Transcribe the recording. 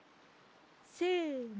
せの！